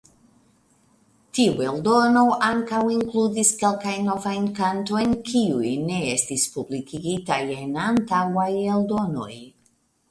Tiu eldono ankaŭ inkludis kelkajn novajn kantojn kiuj ne estis publikigitaj en antaŭaj eldonoj.